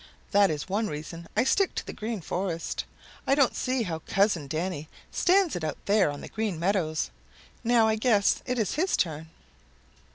That is one reason I stick to the Green Forest. I don't see how Cousin Danny stands it out there on the Green Meadows. Now I guess it is his turn."